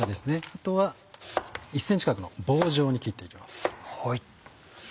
あとは１ｃｍ角の棒状に切って行きます。